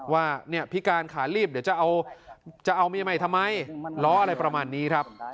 ว่าเนี่ยพิการขาลีบเดี๋ยวจะเอาเมียใหม่ทำไมล้ออะไรประมาณนี้ครับ